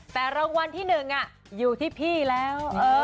แต่รางวัลที่๑อยู่ที่พี่แล้ว